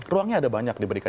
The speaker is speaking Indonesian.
ruangnya ada banyak diberikan